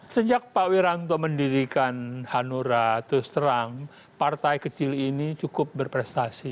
sejak pak wiranto mendirikan hanura terus terang partai kecil ini cukup berprestasi